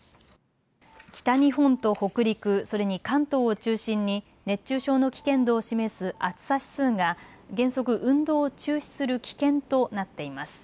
北日本と北陸、それに関東を中心に熱中症の危険度を示す暑さ指数が原則、運動を中止する危険となっています。